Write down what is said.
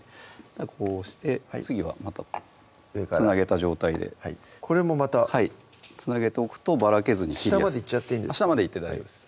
こうして次はまたつなげた状態でこれもまたつなげておくとばらけずに下までいっちゃっていい下までいって大丈夫です